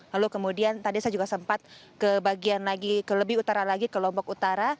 lalu kemudian tadi saya juga sempat ke bagian lagi ke lebih utara lagi ke lombok utara